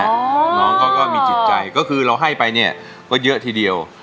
น้องเขาก็มีจิตใจก็คือเราให้ไปเนี่ยก็เยอะทีเดียว